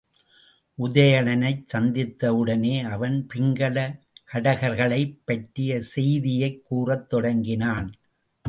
உதயணனைச் சந்தித்தவுடனே அவன் பிங்கல கடகர்களைப் பற்றிய செய்தியைக் கூறத் தொடங்கினான்.